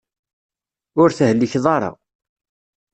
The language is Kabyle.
Ur tehlikeḍ ara.